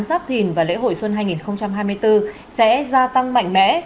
giáp thìn và lễ hội xuân hai nghìn hai mươi bốn sẽ gia tăng mạnh mẽ